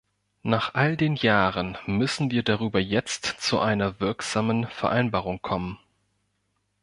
Nach all den Jahren müssen wir darüber jetzt zu einer wirksamen Vereinbarung kommen.